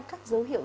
các dấu hiệu